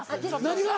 何が？